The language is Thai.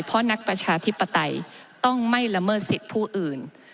เพราะนักประชาธิปไตยต้องไม่ละเมิดสิทธิ์ผู้อื่น